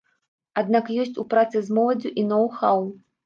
Аднак ёсць у працы з моладдзю і ноў-хаў.